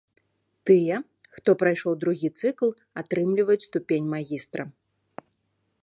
Тыя, хто прайшоў другі цыкл, атрымліваюць ступень магістра.